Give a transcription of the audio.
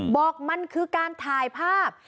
บอกมันคือการถ่ายภาพ